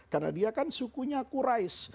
karena dia kan sukunya qurais